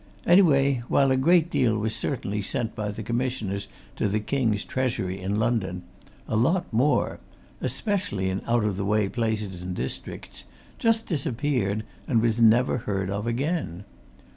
Anyway, while a great deal was certainly sent by the commissioners to the king's treasury in London, a lot more especially in out of the way places and districts just disappeared and was never heard of again.